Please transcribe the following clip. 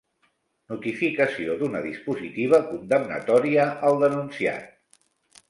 Notificació d'una dispositiva condemnatòria al denunciat.